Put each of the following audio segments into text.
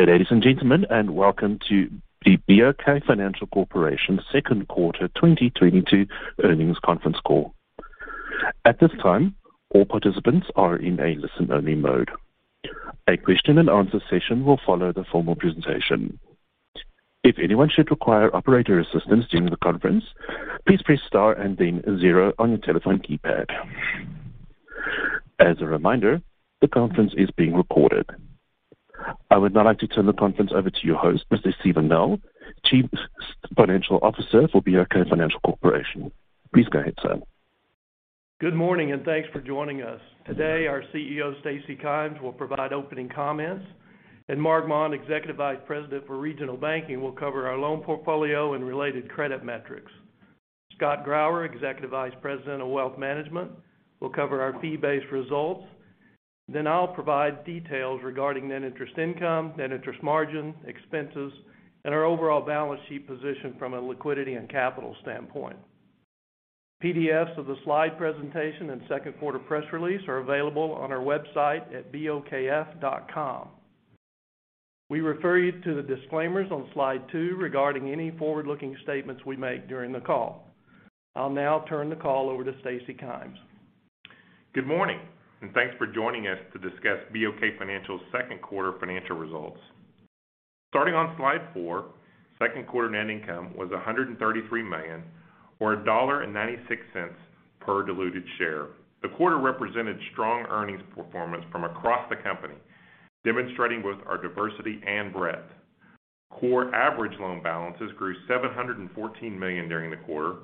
Good ladies and gentlemen, and welcome to the BOK Financial Corporation second quarter 2022 earnings conference call. At this time, all participants are in a listen-only mode. A question-and-answer session will follow the formal presentation. If anyone should require operator assistance during the conference, please press star and then zero on your telephone keypad. As a reminder, the conference is being recorded. I would now like to turn the conference over to your host, Mr. Steven Nell, Chief Financial Officer for BOK Financial Corporation. Please go ahead, sir. Good morning, and thanks for joining us. Today, our CEO, Stacy Kymes, will provide opening comments, and Marc Maun, Executive Vice President for Regional Banking, will cover our loan portfolio and related credit metrics. Scott Grauer, Executive Vice President of Wealth Management, will cover our fee-based results. I'll provide details regarding net interest income, net interest margin, expenses, and our overall balance sheet position from a liquidity and capital standpoint. PDFs of the slide presentation and second quarter press release are available on our website at bokf.com. We refer you to the disclaimers on slide two regarding any forward-looking statements we make during the call. I'll now turn the call over to Stacy Kymes. Good morning, and thanks for joining us to discuss BOK Financial's second quarter financial results. Starting on slide four, second quarter net income was $133 million or $1.96 per diluted share. The quarter represented strong earnings performance from across the company, demonstrating both our diversity and breadth. Core average loan balances grew $714 million during the quarter,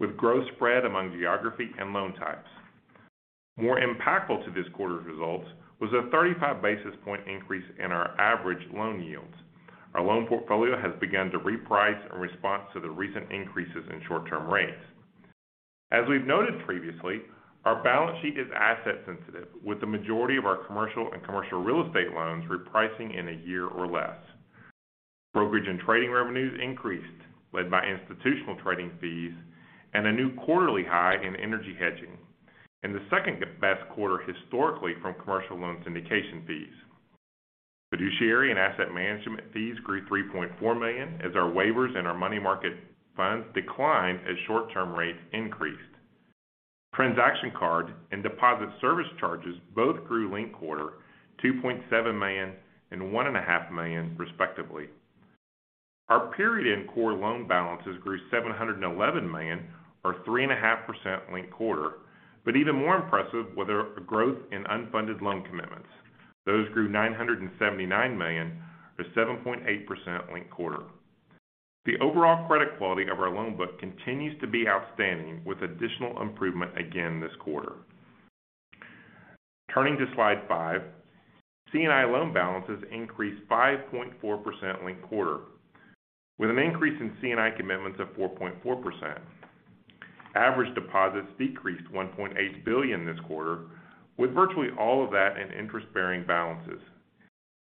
with growth spread among geography and loan types. More impactful to this quarter's results was a 35-basis-point increase in our average loan yields. Our loan portfolio has begun to reprice in response to the recent increases in short-term rates. As we've noted previously, our balance sheet is asset sensitive, with the majority of our commercial and commercial real estate loans repricing in a year or less. Brokerage and trading revenues increased, led by institutional trading fees and a new quarterly high in energy hedging. The second-best quarter historically from commercial loan syndication fees. Fiduciary and asset management fees grew $3.4 million as our waivers and our money market funds declined as short-term rates increased. Transaction card and deposit service charges both grew linked quarter $2.7 million and $1.5 million, respectively. Our period and core loan balances grew $711 million or 3.5% linked quarter. Even more impressive were the growth in unfunded loan commitments. Those grew $979 million or 7.8% linked quarter. The overall credit quality of our loan book continues to be outstanding with additional improvement again this quarter. Turning to slide five, C&I loan balances increased 5.4% linked quarter, with an increase in C&I commitments of 4.4%. Average deposits decreased $1.8 billion this quarter, with virtually all of that in interest-bearing balances.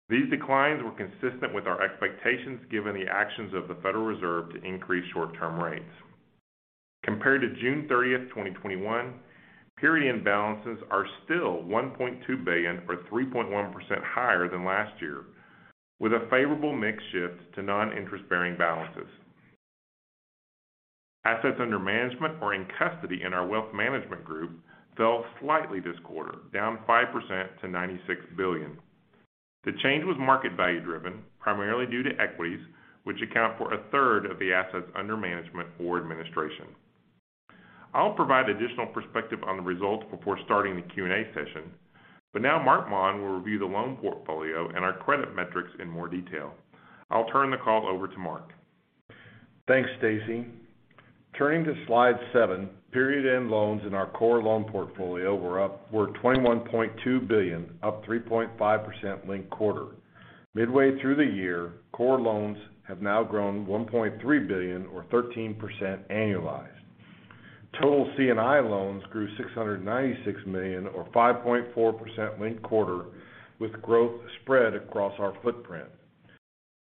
These declines were consistent with our expectations given the actions of the Federal Reserve to increase short-term rates. Compared to June 30, 2021, period-end balances are still $1.2 billion or 3.1% higher than last year, with a favorable mix shift to non-interest-bearing balances. Assets under management or in custody in our wealth management group fell slightly this quarter, down 5% to $96 billion. The change was market value-driven, primarily due to equities, which account for 1/3 of the assets under management or administration. I'll provide additional perspective on the results before starting the Q&A session, but now Marc Maun will review the loan portfolio and our credit metrics in more detail. I'll turn the call over to Marc. Thanks, Stacy. Turning to slide seven, period-end loans in our core loan portfolio were $21.2 billion, up 3.5% linked quarter. Midway through the year, core loans have now grown $1.3 billion or 13% annualized. Total C&I loans grew $696 million or 5.4% linked quarter, with growth spread across our footprint.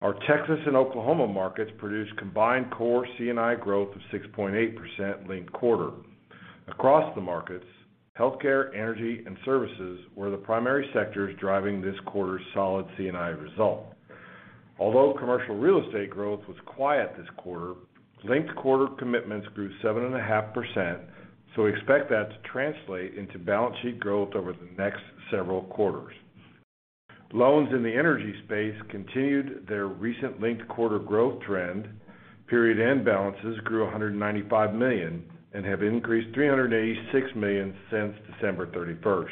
Our Texas and Oklahoma markets produced combined core C&I growth of 6.8% linked quarter. Across the markets, healthcare, energy, and services were the primary sectors driving this quarter's solid C&I result. Although commercial real estate growth was quiet this quarter, linked quarter commitments grew 7.5%, so expect that to translate into balance sheet growth over the next several quarters. Loans in the energy space continued their recent linked quarter growth trend. Period-end balances grew $195 million and have increased $386 million since December 31st.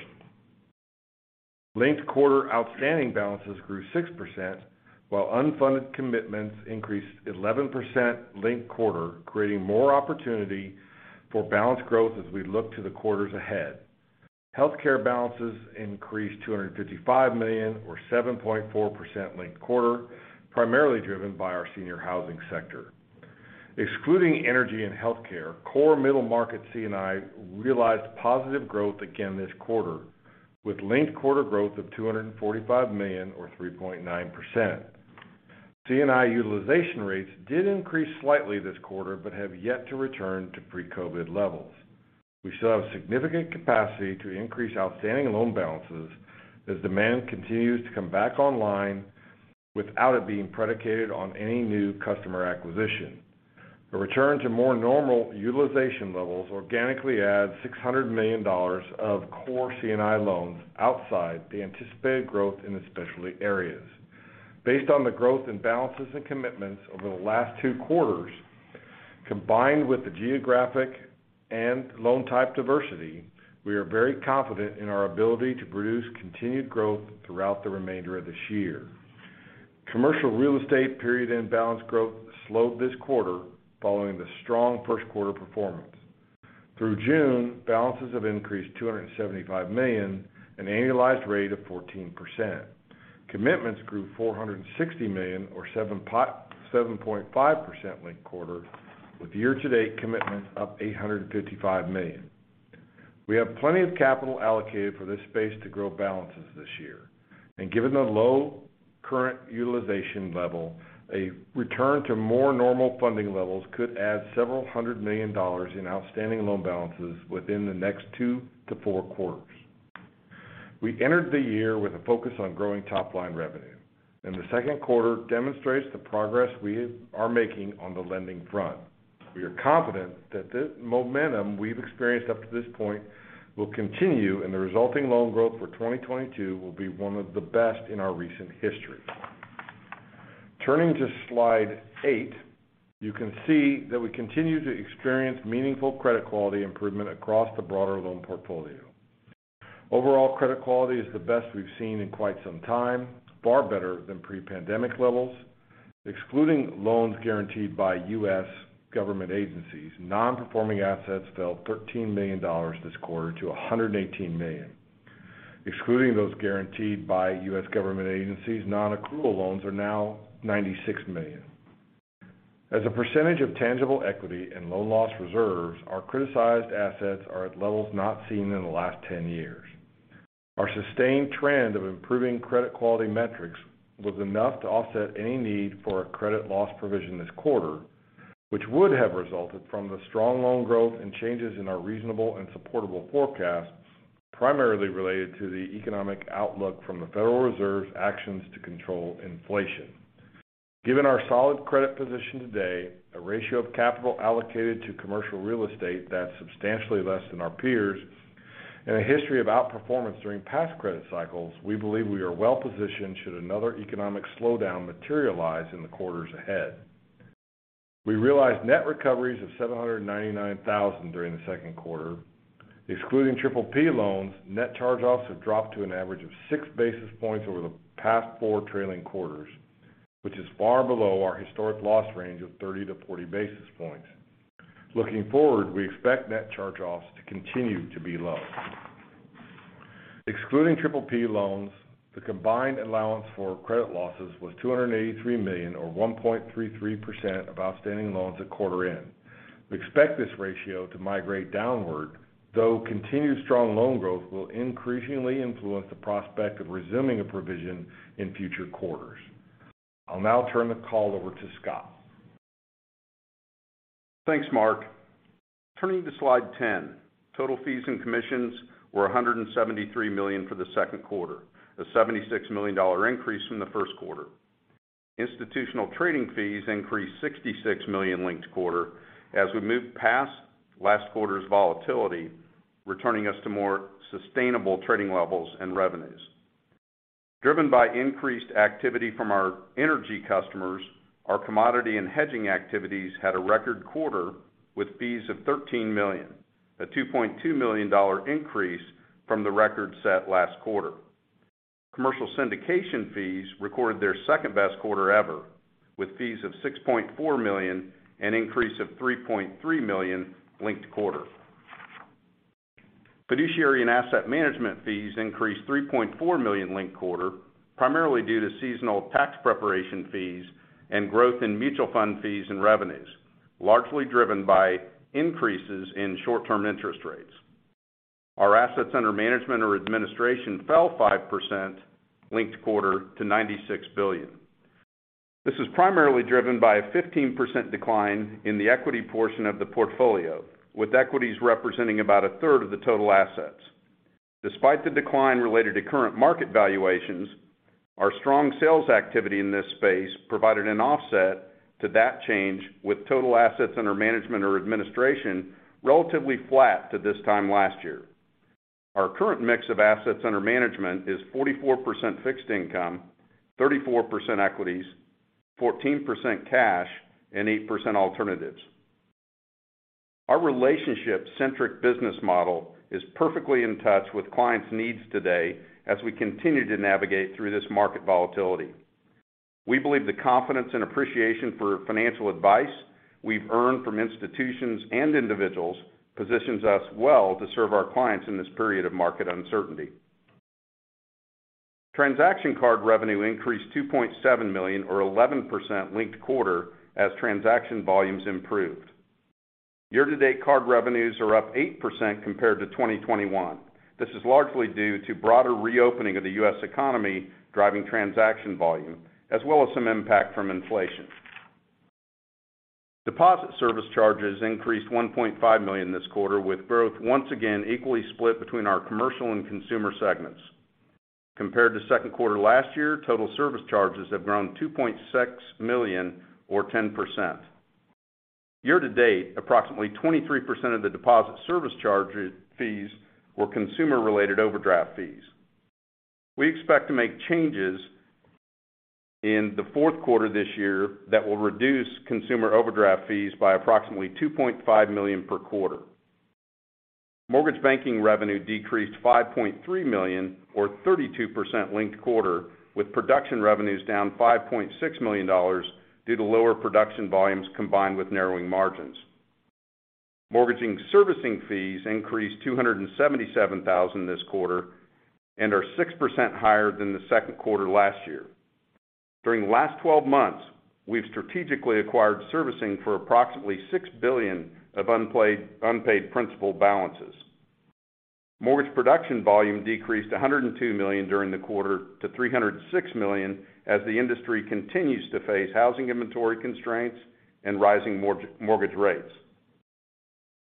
Linked quarter outstanding balances grew 6%, while unfunded commitments increased 11% linked quarter, creating more opportunity for balance growth as we look to the quarters ahead. Healthcare balances increased $255 million or 7.4% linked quarter, primarily driven by our senior housing sector. Excluding energy and healthcare, core middle market C&I realized positive growth again this quarter with linked quarter growth of $245 million or 3.9%. C&I utilization rates did increase slightly this quarter, but have yet to return to pre-COVID levels. We still have significant capacity to increase outstanding loan balances as demand continues to come back online without it being predicated on any new customer acquisition. A return to more normal utilization levels organically adds $600 million of core C&I loans outside the anticipated growth in the specialty areas. Based on the growth and balances and commitments over the last two quarters, combined with the geographic and loan type diversity, we are very confident in our ability to produce continued growth throughout the remainder of this year. Commercial real estate period-end balance growth slowed this quarter following the strong first quarter performance. Through June, balances have increased $275 million, an annualized rate of 14%. Commitments grew $460 million or 7.5% linked quarter, with year-to-date commitments up $855 million. We have plenty of capital allocated for this space to grow balances this year. Given the low current utilization level, a return to more normal funding levels could add $several hundred million in outstanding loan balances within the next two to four quarters. We entered the year with a focus on growing top-line revenue, and the second quarter demonstrates the progress we are making on the lending front. We are confident that the momentum we've experienced up to this point will continue, and the resulting loan growth for 2022 will be one of the best in our recent history. Turning to slide eight, you can see that we continue to experience meaningful credit quality improvement across the broader loan portfolio. Overall credit quality is the best we've seen in quite some time, far better than pre-pandemic levels. Excluding loans guaranteed by U.S. government agencies, non-performing assets fell $13 million this quarter to $118 million. Excluding those guaranteed by U.S. government agencies, non-accrual loans are now $96 million. As a percentage of tangible equity and loan loss reserves, our criticized assets are at levels not seen in the last 10 years. Our sustained trend of improving credit quality metrics was enough to offset any need for a credit loss provision this quarter, which would have resulted from the strong loan growth and changes in our reasonable and supportable forecast, primarily related to the economic outlook from the Federal Reserve's actions to control inflation. Given our solid credit position today, a ratio of capital allocated to commercial real estate that's substantially less than our peers', and a history of outperformance during past credit cycles, we believe we are well-positioned should another economic slowdown materialize in the quarters ahead. We realized net recoveries of $799,000 during the second quarter. Excluding PPP loans, net charge-offs have dropped to an average of 6 basis points over the past four trailing quarters, which is far below our historic loss range of 30-40 basis points. Looking forward, we expect net charge-offs to continue to be low. Excluding PPP loans, the combined allowance for credit losses was $283 million or 1.33% of outstanding loans at quarter end. We expect this ratio to migrate downward, though continued strong loan growth will increasingly influence the prospect of resuming a provision in future quarters. I'll now turn the call over to Scott. Thanks, Marc. Turning to slide 10. Total fees and commissions were $173 million for the second quarter, a $76 million increase from the first quarter. Institutional trading fees increased $66 million linked quarter as we moved past last quarter's volatility, returning us to more sustainable trading levels and revenues. Driven by increased activity from our energy customers, our commodity and hedging activities had a record quarter with fees of $13 million, a $2.2 million increase from the record set last quarter. Commercial syndication fees recorded their second-best quarter ever, with fees of $6.4 million, an increase of $3.3 million linked quarter. Fiduciary and asset management fees increased $3.4 million linked quarter, primarily due to seasonal tax preparation fees and growth in mutual fund fees and revenues, largely driven by increases in short-term interest rates. Our assets under management or administration fell 5% linked quarter to $96 billion. This is primarily driven by a 15% decline in the equity portion of the portfolio, with equities representing about 1/3 of the total assets. Despite the decline related to current market valuations, our strong sales activity in this space provided an offset to that change, with total assets under management or administration relatively flat to this time last year. Our current mix of assets under management is 44% fixed income, 34% equities, 14% cash, and 8% alternatives. Our relationship-centric business model is perfectly in touch with clients' needs today as we continue to navigate through this market volatility. We believe the confidence and appreciation for financial advice we've earned from institutions and individuals positions us well to serve our clients in this period of market uncertainty. Transaction card revenue increased $2.7 million or 11% linked quarter as transaction volumes improved. Year-to-date card revenues are up 8% compared to 2021. This is largely due to broader reopening of the U.S. economy, driving transaction volume as well as some impact from inflation. Deposit service charges increased $1.5 million this quarter, with growth once again equally split between our commercial and consumer segments. Compared to second quarter last year, total service charges have grown $2.6 million or 10%. Year-to-date, approximately 23% of the deposit service charge fees were consumer-related overdraft fees. We expect to make changes in the fourth quarter this year that will reduce consumer overdraft fees by approximately $2.5 million per quarter. Mortgage banking revenue decreased $5.3 million or 32% linked quarter, with production revenues down $5.6 million due to lower production volumes combined with narrowing margins. Mortgage servicing fees increased $277,000 this quarter and are 6% higher than the second quarter last year. During the last 12 months, we've strategically acquired servicing for approximately $6 billion of unpaid principal balances. Mortgage production volume decreased $102 million during the quarter to $306 million as the industry continues to face housing inventory constraints and rising mortgage rates.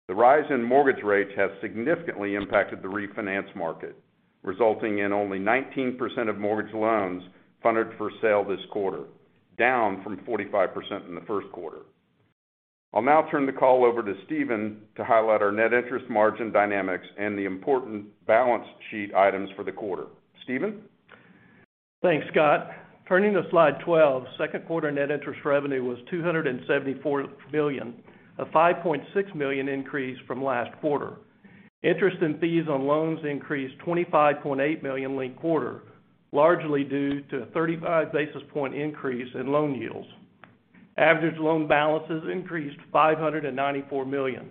The rise in mortgage rates has significantly impacted the refinance market, resulting in only 19% of mortgage loans funded for sale this quarter, down from 45% in the first quarter. I'll now turn the call over to Steven Nell to highlight our net interest margin dynamics and the important balance sheet items for the quarter. Steven Nell? Thanks, Scott. Turning to slide 12. Second quarter net interest revenue was $274 million, a $5.6 million increase from last quarter. Interest and fees on loans increased $25.8 million linked quarter, largely due to a 35-basis-points increase in loan yields. Average loan balances increased $594 million.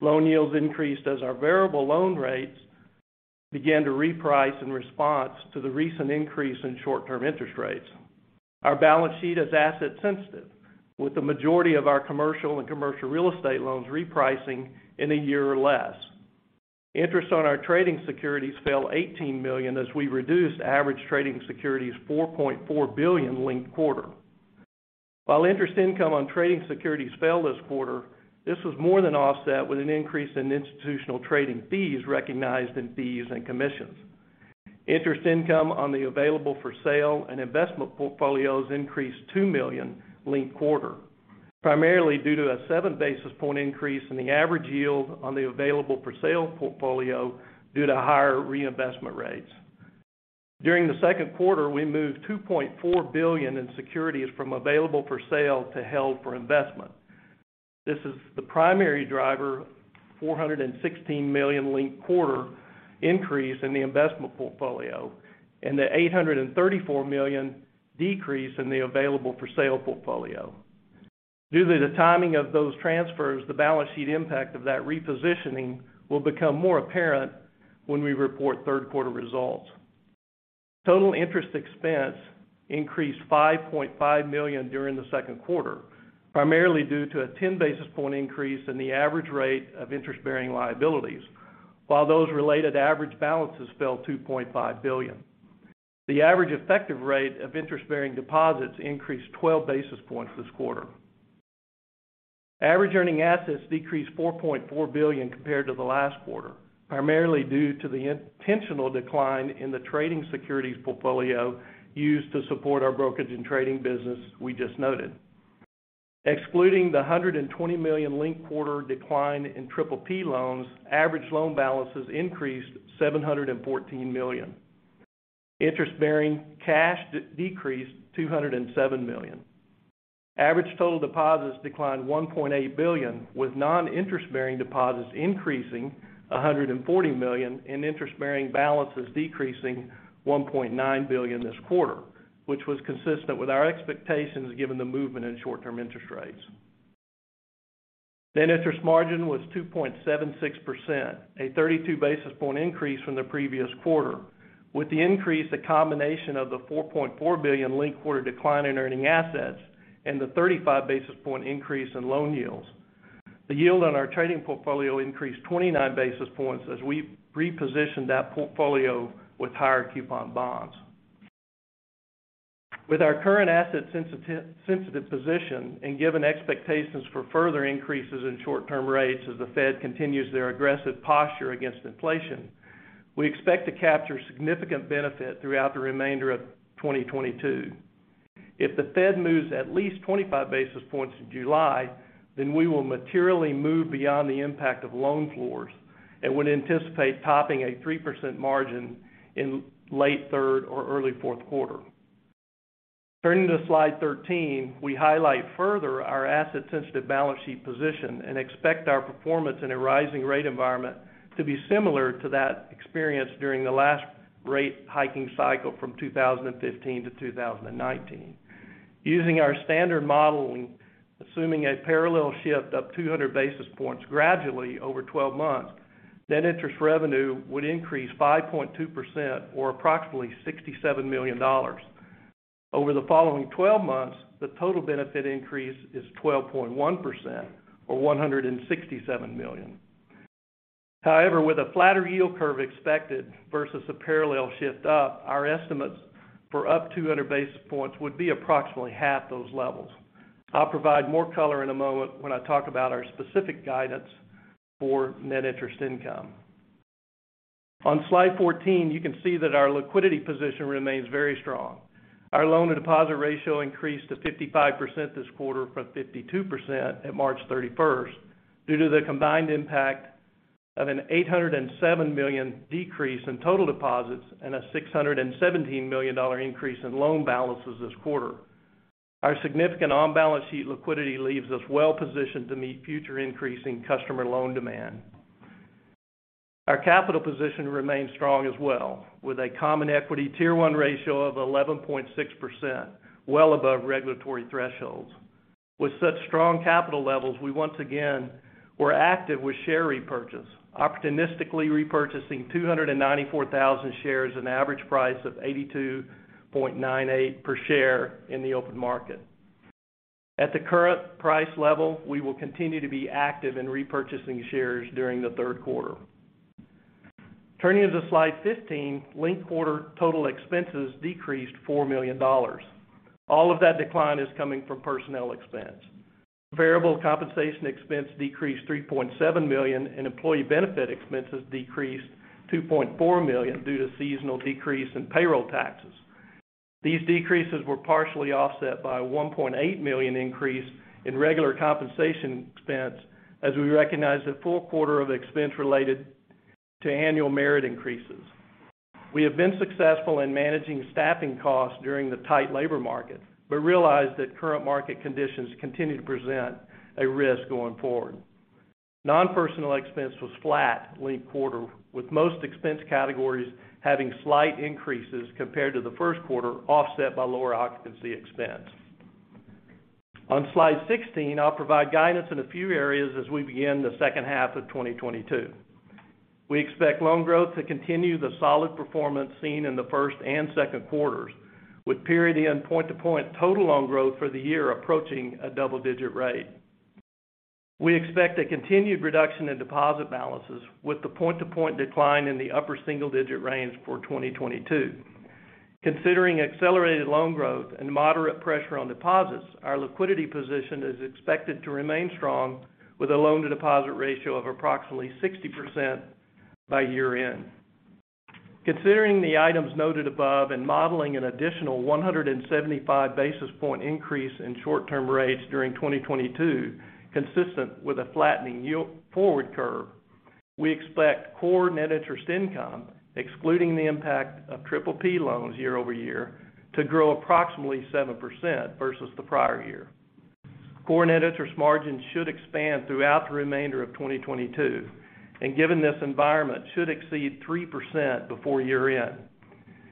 Loan yields increased as our variable loan rates began to reprice in response to the recent increase in short-term interest rates. Our balance sheet is asset sensitive, with the majority of our commercial and commercial real estate loans repricing in a year or less. Interest on our trading securities fell $18 million as we reduced average trading securities $4.4 billion linked quarter. While interest income on trading securities fell this quarter, this was more than offset with an increase in institutional trading fees recognized in fees and commissions. Interest income on the available-for-sale and investment portfolios increased $2 million linked quarter, primarily due to a 7-basis-point increase in the average yield on the available-for-sale portfolio due to higher reinvestment rates. During the second quarter, we moved $2.4 billion in securities from available-for-sale to held for investment. This is the primary driver, $416 million linked quarter increase in the investment portfolio and the $834 million decrease in the available-for sale-portfolio. Due to the timing of those transfers, the balance sheet impact of that repositioning will become more apparent when we report third quarter results. Total interest expense increased $5.5 million during the second quarter, primarily due to a 10 basis point increase in the average rate of interest-bearing liabilities. While those related average balances fell $2.5 billion, the average effective rate of interest-bearing deposits increased 12 basis points this quarter. Average earning assets decreased $4.4 billion compared to the last quarter, primarily due to the intentional decline in the trading securities portfolio used to support our brokerage and trading business we just noted. Excluding the $120 million linked-quarter decline in PPP loans, average loan balances increased $714 million. Interest-bearing cash decreased $207 million. Average total deposits declined $1.8 billion, with non-interest-bearing deposits increasing $140 million and interest-bearing balances decreasing $1.9 billion this quarter, which was consistent with our expectations given the movement in short-term interest rates. Net interest margin was 2.76%, a 32-basis-point increase from the previous quarter. With the increase, a combination of the $4.4 billion linked quarter decline in earning assets and the 35 basis point increase in loan yields. The yield on our trading portfolio increased 29 basis points as we repositioned that portfolio with higher-coupon bonds. With our current asset-sensitive position and given expectations for further increases in short-term rates as the Fed continues their aggressive posture against inflation, we expect to capture significant benefit throughout the remainder of 2022. If the Fed moves at least 25 basis points in July, then we will materially move beyond the impact of loan floors and would anticipate topping a 3% margin in late third or early fourth quarter. Turning to slide 13. We highlight further our asset-sensitive balance sheet position and expect our performance in a rising-rate environment to be similar to that experienced during the last rate-hiking cycle from 2015 to 2019. Using our standard modeling, assuming a parallel shift up 200 basis points gradually over 12 months, net interest revenue would increase 5.2% or approximately $67 million. Over the following 12 months, the total benefit increase is 12.1% or $167 million. However, with a flatter yield curve expected versus a parallel shift up, our estimates for up 200 basis points would be approximately half those levels. I'll provide more color in a moment when I talk about our specific guidance for net interest income. On slide 14, you can see that our liquidity position remains very strong. Our loan to deposit ratio increased to 55% this quarter from 52% at March 31st due to the combined impact of an $807 million decrease in total deposits and a $617 million increase in loan balances this quarter. Our significant on-balance-sheet liquidity leaves us well positioned to meet future increase in customer loan demand. Our capital position remains strong as well, with a Common Equity Tier 1 ratio of 11.6%, well above regulatory thresholds. With such strong capital levels, we once again were active with share repurchase, opportunistically repurchasing 294,000 shares at an average price of $82.98 per share in the open market. At the current price level, we will continue to be active in repurchasing shares during the third quarter. Turning to slide 15, linked quarter total expenses decreased $4 million. All of that decline is coming from personnel expense. Variable compensation expense decreased $3.7 million, and employee benefit expenses decreased $2.4 million due to seasonal decrease in payroll taxes. These decreases were partially offset by a $1.8 million increase in regular compensation expense as we recognize the full quarter of expense related to annual merit increases. We have been successful in managing staffing costs during the tight labor market, but realize that current market conditions continue to present a risk going forward. Non-personal expense was flat linked quarter, with most expense categories having slight increases compared to the first quarter, offset by lower occupancy expense. On slide 16, I'll provide guidance in a few areas as we begin the second half of 2022. We expect loan growth to continue the solid performance seen in the first and second quarters, with period and point-to-point total loan growth for the year approaching a double-digit rate. We expect a continued reduction in deposit balances with the point-to-point decline in the upper single-digit range for 2022. Considering accelerated loan growth and moderate pressure on deposits, our liquidity position is expected to remain strong with a loan to deposit ratio of approximately 60% by year-end. Considering the items noted above and modeling an additional 175 basis point increase in short-term rates during 2022, consistent with a flattening yield forward curve, we expect core net interest income, excluding the impact of PPP loans year-over-year to grow approximately 7% versus the prior year. Core net interest margin should expand throughout the remainder of 2022, and given this environment, should exceed 3% before year-end.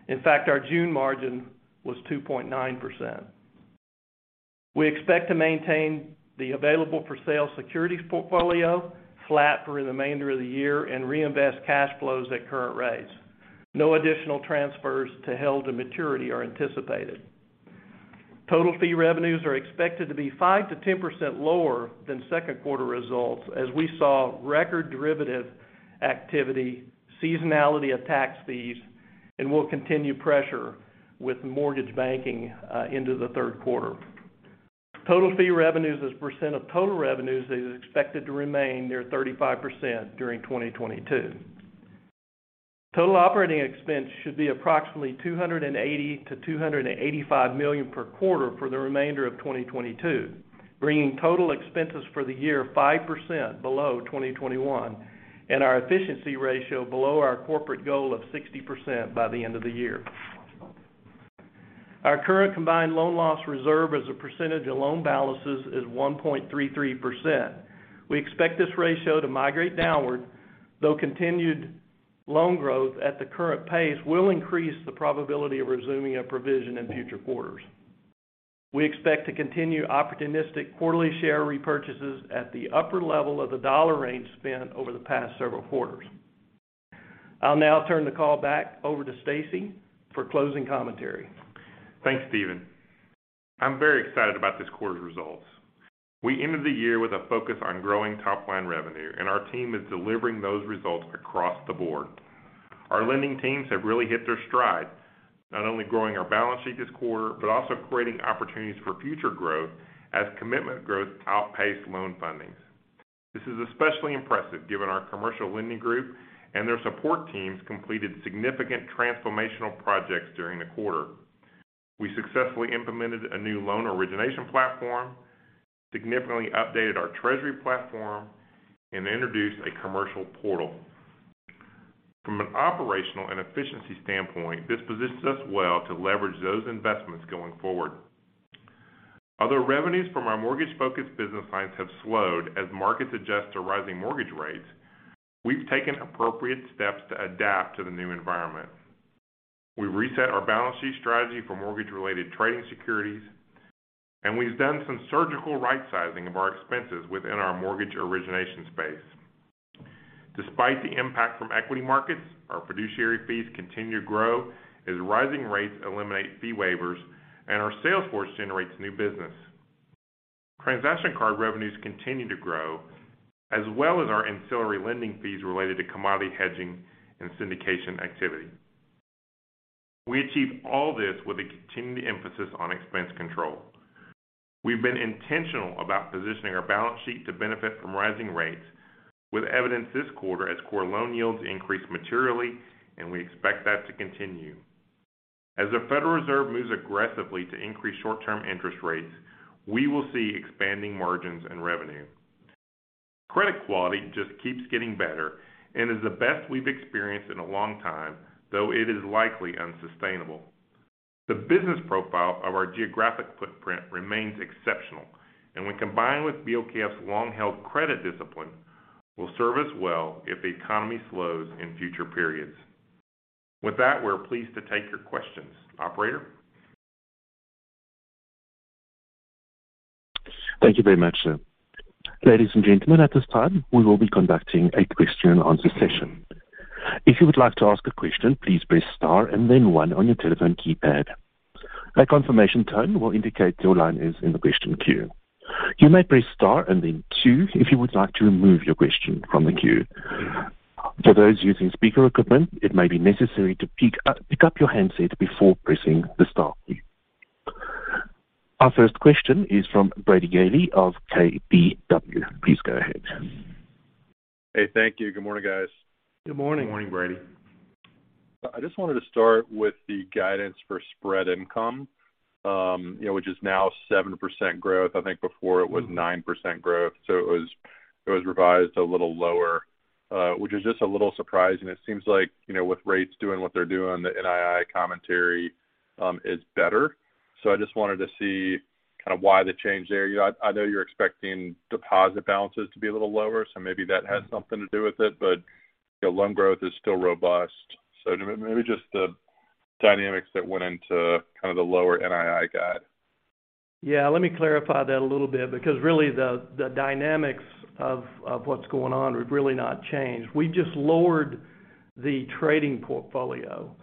In fact, our June margin was 2.9%. We expect to maintain the available-for-sale securities portfolio flat for the remainder of the year and reinvest cash flows at current rates. No additional transfers to held to maturity are anticipated. Total fee revenues are expected to be 5%-10% lower than second quarter results as we saw record derivative activity, seasonality of tax fees, and will continue pressure with mortgage banking into the third quarter. Total fee revenues as percent of total revenues is expected to remain near 35% during 2022. Total operating expense should be approximately $280 million-$285 million per quarter for the remainder of 2022, bringing total expenses for the year 5% below 2021, and our efficiency ratio below our corporate goal of 60% by the end of the year. Our current combined loan loss reserve as a percentage of loan balances is 1.33%. We expect this ratio to migrate downward, though continued loan growth at the current pace will increase the probability of resuming a provision in future quarters. We expect to continue opportunistic quarterly share repurchases at the upper level of the dollar range spent over the past several quarters. I'll now turn the call back over to Stacy for closing commentary. Thanks, Steven. I'm very excited about this quarter's results. We ended the year with a focus on growing top-line revenue, and our team is delivering those results across the board. Our lending teams have really hit their stride, not only growing our balance sheet this quarter, but also creating opportunities for future growth as commitment growth outpaced loan fundings. This is especially impressive given our commercial lending group and their support teams completed significant transformational projects during the quarter. We successfully implemented a new loan origination platform, significantly updated our treasury platform, and introduced a commercial portal. From an operational and efficiency standpoint, this positions us well to leverage those investments going forward. Although revenues from our mortgage-focused business lines have slowed as markets adjust to rising mortgage rates, we've taken appropriate steps to adapt to the new environment. We've reset our balance sheet strategy for mortgage-related trading securities, and we've done some surgical right sizing of our expenses within our mortgage origination space. Despite the impact from equity markets, our fiduciary fees continue to grow as rising rates eliminate fee waivers and our sales force generates new business. Transaction card revenues continue to grow, as well as our ancillary lending fees related to commodity hedging and syndication activity. We achieve all this with a continued emphasis on expense control. We've been intentional about positioning our balance sheet to benefit from rising rates with evidence this quarter as core loan yields increase materially, and we expect that to continue. As the Federal Reserve moves aggressively to increase short-term interest rates, we will see expanding margins and revenue. Credit quality just keeps getting better and is the best we've experienced in a long time, though it is likely unsustainable. The business profile of our geographic footprint remains exceptional, and when combined with BOKF's long-held credit discipline, will serve us well if the economy slows in future periods. With that, we're pleased to take your questions. Operator? Thank you very much, sir. Ladies and gentlemen, at this time, we will be conducting a question-and-answer session. If you would like to ask a question, please press star and then one on your telephone keypad. A confirmation tone will indicate your line is in the question queue. You may press star and then two if you would like to remove your question from the queue. For those using speaker equipment, it may be necessary to pick up your handset before pressing the star key. Our first question is from Brady Gailey of KBW. Please go ahead. Hey, thank you. Good morning, guys. Good morning. Good morning, Brady. I just wanted to start with the guidance for spread income, you know, which is now 7% growth. I think before it was 9% growth, it was revised a little lower, which is just a little surprising. It seems like, you know, with rates doing what they're doing, the NII commentary is better. I just wanted to see kind of why the change there. You know, I know you're expecting deposit balances to be a little lower, so maybe that has something to do with it. You know, loan growth is still robust, so maybe just the dynamics that went into kind of the lower NII guide. Yeah, let me clarify that a little bit because really the dynamics of what's going on have really not changed. We just lowered the trading portfolio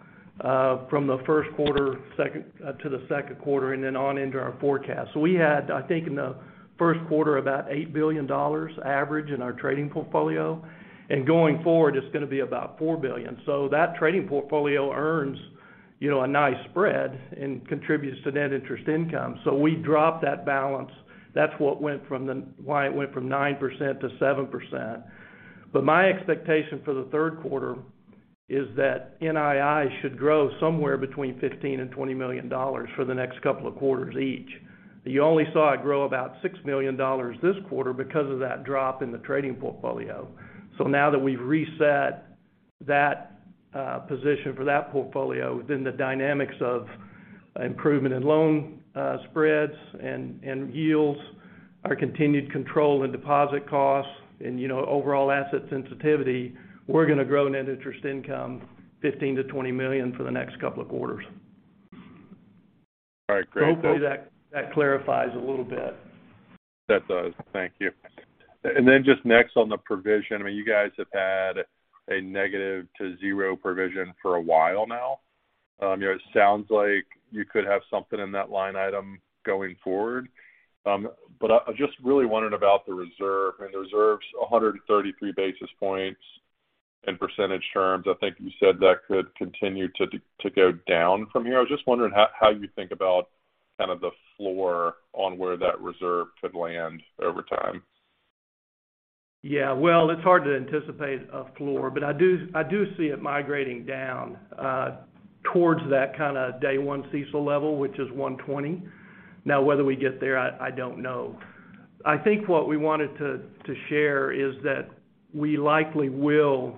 from the first quarter to the second quarter and then on into our forecast. We had, I think in the first quarter, about $8 billion average in our trading portfolio, and going forward it's gonna be about $4 billion. That trading portfolio earns, you know, a nice spread and contributes to net interest income. We dropped that balance. That's why it went from 9% to 7%. My expectation for the third quarter is that NII should grow somewhere between $15 million and $20 million for the next couple of quarters each. You only saw it grow about $6 million this quarter because of that drop in the trading portfolio. Now that we've reset that position for that portfolio within the dynamics of improvement in loan spreads and yields, our continued control and deposit costs and, you know, overall asset sensitivity, we're gonna grow net interest income $15 million-$20 million for the next couple of quarters. All right, great. Hopefully that clarifies a little bit. That does. Thank you. Just next on the provision, I mean, you guys have had a negative to zero provision for a while now. You know, it sounds like you could have something in that line item going forward. I just really wondered about the reserve. I mean, the reserve's 133 basis points in percentage terms. I think you said that could continue to go down from here. I was just wondering how you think about kind of the floor on where that reserve could land over time. Yeah. Well, it's hard to anticipate a floor, but I do see it migrating down towards that kinda day-one CECL level, which is 120. Now, whether we get there, I don't know. I think what we wanted to share is that we likely will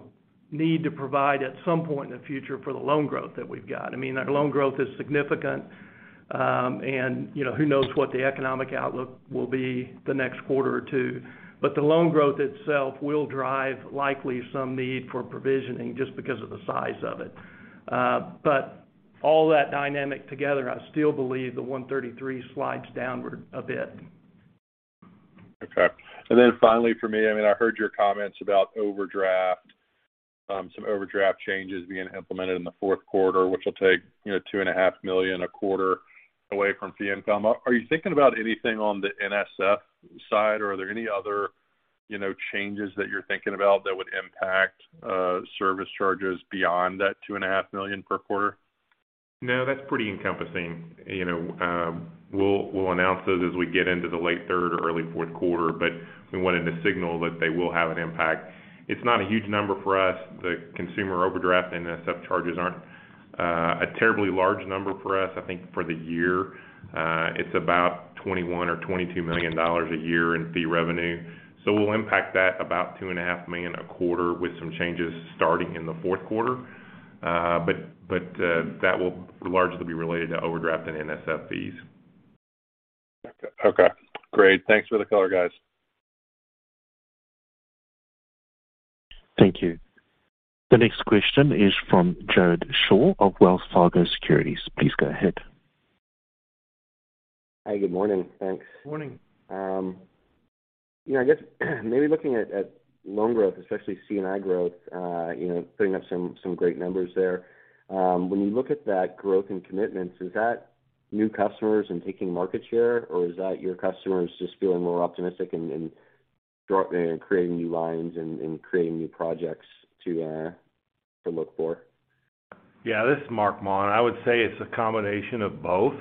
need to provide at some point in the future for the loan growth that we've got. I mean, our loan growth is significant, and you know, who knows what the economic outlook will be the next quarter or two. The loan growth itself will drive likely some need for provisioning just because of the size of it. All that dynamic together, I still believe the 133 slides downward a bit. Okay. Finally for me, I mean, I heard your comments about overdraft, some overdraft changes being implemented in the fourth quarter, which will take, you know, $2.5 million a quarter away from fee income. Are you thinking about anything on the NSF side or are there any other, you know, changes that you're thinking about that would impact service charges beyond that $2.5 million per quarter? No, that's pretty encompassing. You know, we'll announce those as we get into the late third or early fourth quarter, but we wanted to signal that they will have an impact. It's not a huge number for us. The consumer overdraft and NSF charges aren't a terribly large number for us. I think for the year, it's about $21 million-$22 million a year in fee revenue. We'll impact that about $2.5 million a quarter with some changes starting in the fourth quarter. That will largely be related to overdraft and NSF fees. Okay. Great. Thanks for the color, guys. Thank you. The next question is from Jared Shaw of Wells Fargo Securities. Please go ahead. Hi, good morning. Thanks. Good morning. You know, I guess maybe looking at loan growth, especially C&I growth, you know, putting up some great numbers there. When you look at that growth and commitments, is that new customers and taking market share, or is that your customers just feeling more optimistic and creating new lines and creating new projects to look for? Yeah, this is Marc Maun. I would say it's a combination of both.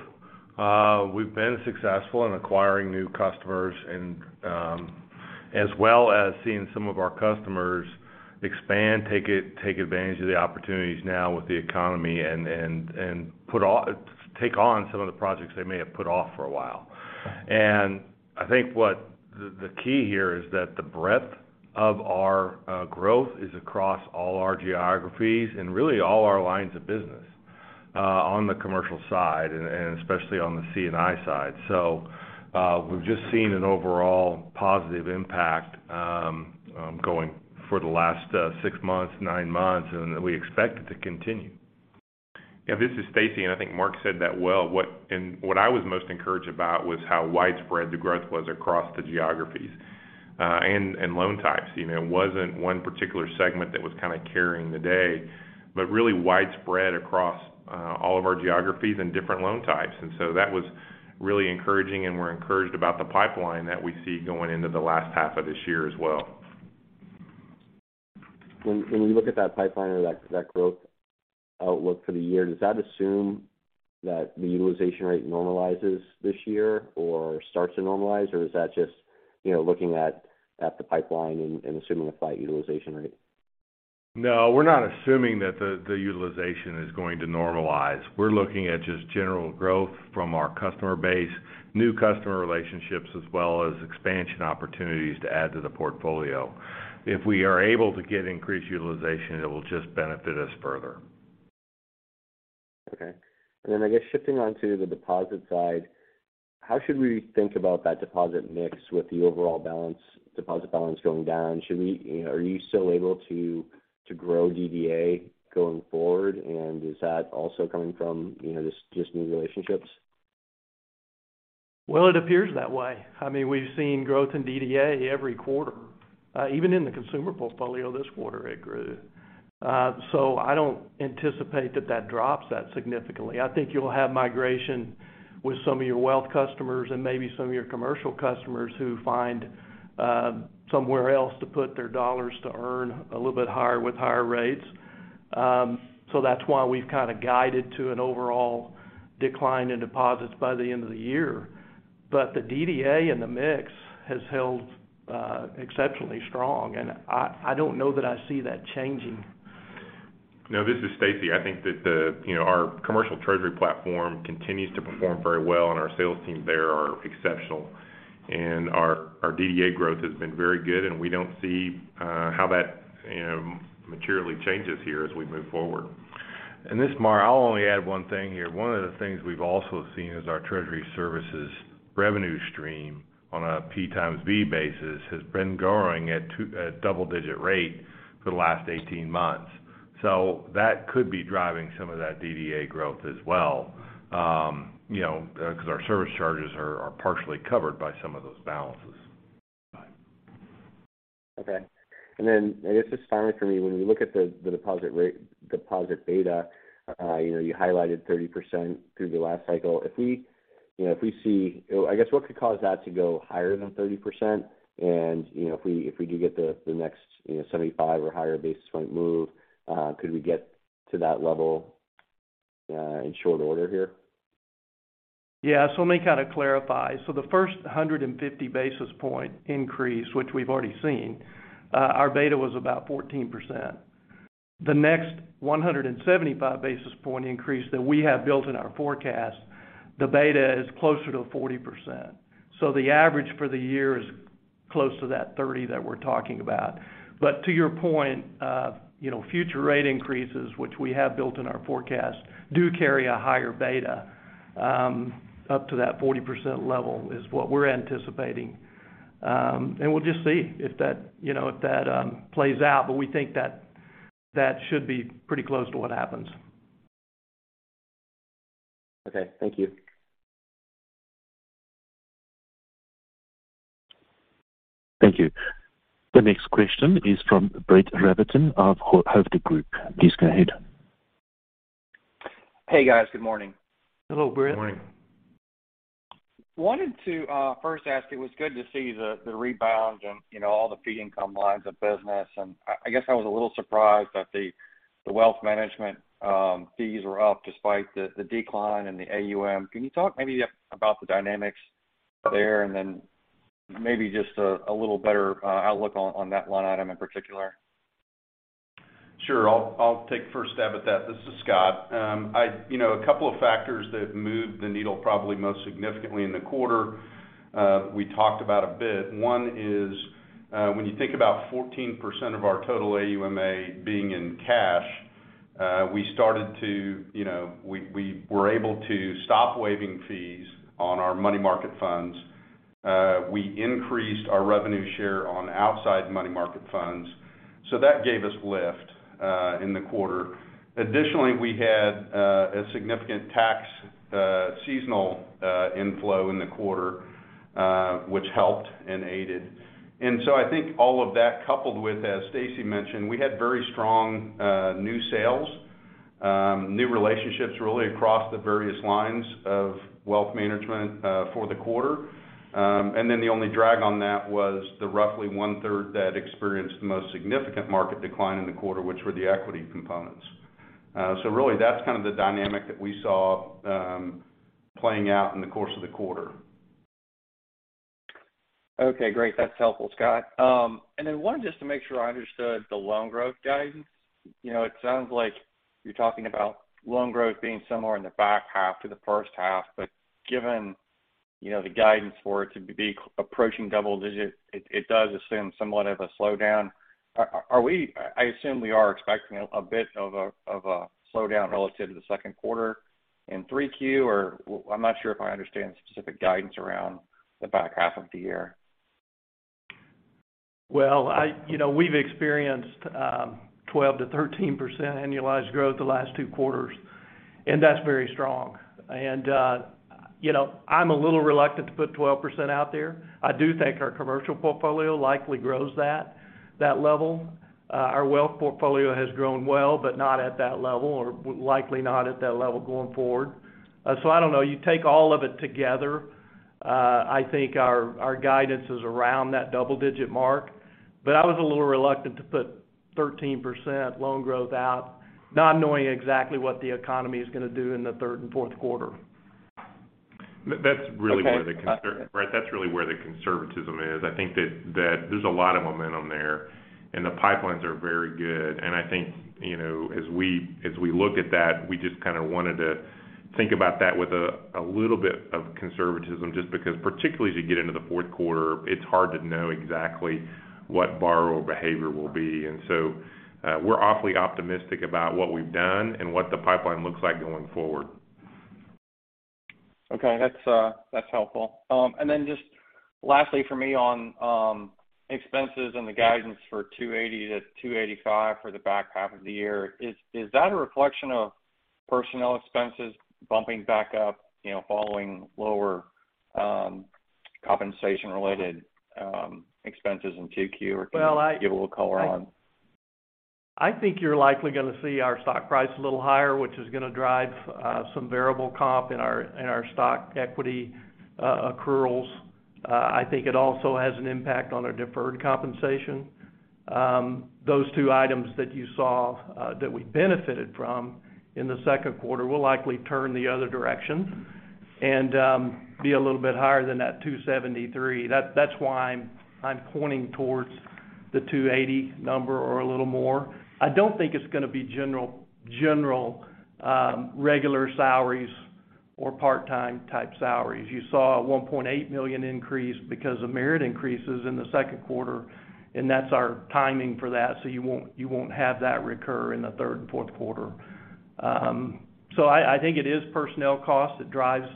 We've been successful in acquiring new customers and, as well as seeing some of our customers expand, take advantage of the opportunities now with the economy and take on some of the projects they may have put off for a while. I think what the key here is that the breadth of our growth is across all our geographies and really all our lines of business on the commercial side and especially on the C&I side. We've just seen an overall positive impact ongoing for the last six months, nine months, and we expect it to continue. Yeah, this is Stacy, and I think Marc said that well. And what I was most encouraged about was how widespread the growth was across the geographies, and loan types. You know, it wasn't one particular segment that was kind of carrying the day, but really widespread across all of our geographies and different loan types. That was really encouraging, and we're encouraged about the pipeline that we see going into the last half of this year as well. When you look at that pipeline or that growth outlook for the year, does that assume that the utilization rate normalizes this year or starts to normalize? Or is that just, you know, looking at the pipeline and assuming a flat utilization rate? No, we're not assuming that the utilization is going to normalize. We're looking at just general growth from our customer base, new customer relationships, as well as expansion opportunities to add to the portfolio. If we are able to get increased utilization, it will just benefit us further. Okay. I guess shifting on to the deposit side, how should we think about that deposit mix with the overall balance, deposit balance going down? Should we, you know, are you still able to grow DDA going forward? Is that also coming from, you know, just new relationships? Well, it appears that way. I mean, we've seen growth in DDA every quarter. Even in the consumer portfolio this quarter, it grew. So I don't anticipate that drops that significantly. I think you'll have migration with some of your wealth customers and maybe some of your commercial customers who find somewhere else to put their dollars to earn a little bit higher with higher rates. So that's why we've kind of guided to an overall decline in deposits by the end of the year. The DDA in the mix has held exceptionally strong, and I don't know that I see that changing. No, this is Stacy. I think that the, you know, our commercial treasury platform continues to perform very well, and our sales team there are exceptional. Our DDA growth has been very good, and we don't see how that, you know, materially changes here as we move forward. This is Marc. I'll only add one thing here. One of the things we've also seen is our treasury services revenue stream on a P times V basis has been growing at a double-digit rate for the last 18 months. That could be driving some of that DDA growth as well, you know, because our service charges are partially covered by some of those balances. Okay. I guess just finally for me, when we look at the deposit rate, deposit beta, you know, you highlighted 30% through the last cycle. If we, you know, if we see, I guess, what could cause that to go higher than 30%? You know, if we do get the next, you know, 75 or higher basis point move, could we get to that level in short order here? Yeah. Let me kind of clarify. The first 150 basis point increase, which we've already seen, our beta was about 14%. The next 175 basis point increase that we have built in our forecast, the beta is closer to 40%. The average for the year is close to that 30 that we're talking about. To your point, you know, future rate increases, which we have built in our forecast, do carry a higher beta, up to that 40% level is what we're anticipating. We'll just see if that, you know, if that plays out, but we think that should be pretty close to what happens. Okay, thank you. Thank you. The next question is from Brett Rabatin of Hovde Group. Please go ahead. Hey, guys. Good morning. Hello, Brett. Good morning. Wanted to first ask, it was good to see the rebound on, you know, all the fee income lines of business. I guess I was a little surprised that the wealth management fees were up despite the decline in the AUM. Can you talk maybe about the dynamics there and then maybe just a little better outlook on that line item in particular? Sure. I'll take first stab at that. This is Scott. You know, a couple of factors that moved the needle probably most significantly in the quarter, we talked about a bit. One is, when you think about 14% of our total AUMA being in cash, we were able to stop waiving fees on our money market funds. We increased our revenue share on outside money market funds, so that gave us lift in the quarter. Additionally, we had a significant tax seasonal inflow in the quarter, which helped and aided. I think all of that, coupled with, as Stacy mentioned, we had very strong new sales, new relationships really across the various lines of wealth management for the quarter. The only drag on that was the roughly 1/3 that experienced the most significant market decline in the quarter, which were the equity components. Really, that's kind of the dynamic that we saw playing out in the course of the quarter. Okay, great. That's helpful, Scott. And then one, just to make sure I understood the loan growth guidance. You know, it sounds like you're talking about loan growth being somewhere in the back half to the first half, but given, you know, the guidance for it to be approaching double-digit, it does assume somewhat of a slowdown. Are we, I assume we are expecting a bit of a slowdown relative to the second quarter in 3Q, or I'm not sure if I understand the specific guidance around the back half of the year. Well, you know, we've experienced 12%-13% annualized growth the last two quarters, and that's very strong. You know, I'm a little reluctant to put 12% out there. I do think our commercial portfolio likely grows that level. Our wealth portfolio has grown well, but not at that level, or likely not at that level going forward. I don't know. You take all of it together, I think our guidance is around that double-digit mark. I was a little reluctant to put 13% loan growth out, not knowing exactly what the economy is gonna do in the third and fourth quarter. Right, that's really where the conservatism is. I think that there's a lot of momentum there, and the pipelines are very good. I think, you know, as we look at that, we just kinda wanted to think about that with a little bit of conservatism, just because particularly as you get into the fourth quarter, it's hard to know exactly what borrower behavior will be. We're awfully optimistic about what we've done and what the pipeline looks like going forward. Okay. That's helpful. Then just lastly for me on expenses and the guidance for $280-$285 for the back half of the year. Is that a reflection of personnel expenses bumping back up, you know, following lower compensation related expenses in Q2? Well. Can you give a little color on? I think you're likely gonna see our stock price a little higher, which is gonna drive some variable comp in our stock equity accruals. I think it also has an impact on our deferred compensation. Those two items that you saw that we benefited from in the second quarter will likely turn the other direction and be a little bit higher than that $273 million. That's why I'm pointing towards the $280 million number or a little more. I don't think it's gonna be general regular salaries or part-time type salaries. You saw a $1.8 million increase because of merit increases in the second quarter, and that's our timing for that, so you won't have that recur in the third and fourth quarter. I think it is personnel cost that drives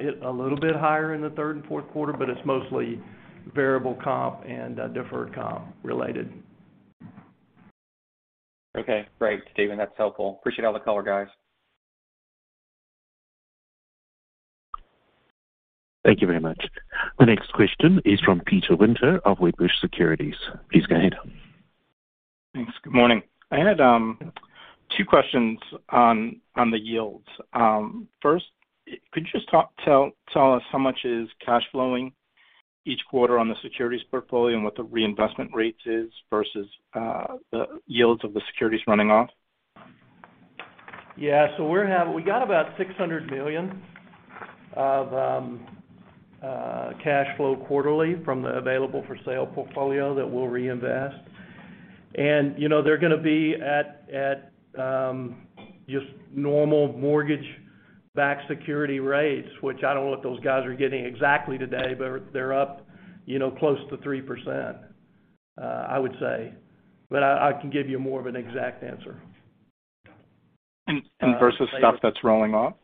it a little bit higher in the third and fourth quarter, but it's mostly variable comp and deferred comp related. Okay. Great, Steven. That's helpful. Appreciate all the color, guys. Thank you very much. The next question is from Peter Winter of Wedbush Securities. Please go ahead. Thanks. Good morning. I had two questions on the yields. First, could you just tell us how much is cash flowing each quarter on the securities portfolio and what the reinvestment rates is versus the yields of the securities running off? Yeah. We got about $600 million of cash flow quarterly from the available-for-sale portfolio that we'll reinvest. You know, they're gonna be at just normal mortgage-backed security rates, which I don't know what those guys are getting exactly today, but they're up, you know, close to 3%, I would say. I can give you more of an exact answer. Versus stuff that's rolling off?